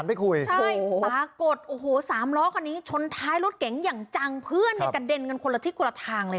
เนี่ยเนี่ยเนี่ยคันนี้อ่ะซัดตูมแล้ว